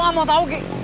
gw gak mau tahu g